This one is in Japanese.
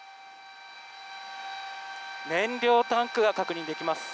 燃料タンクが確認できます。